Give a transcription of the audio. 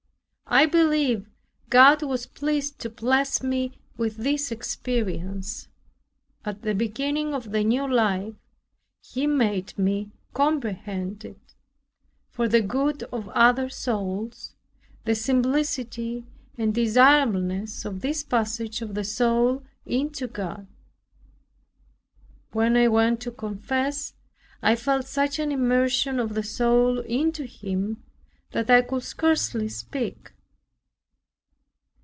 I believe God was pleased to bless me with this experience. At the beginning of the new life, He made me comprehend, for the good of other souls, the simplicity and desirableness of this passage of the soul into God. When I went to confess, I felt such an immersion of the soul into Him, that I could scarcely speak.